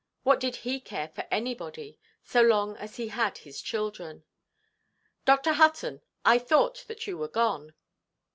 What did he care for anybody, so long as he had his children? "Dr. Hutton, I thought that you were gone."